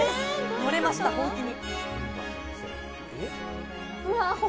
乗れました、本当に。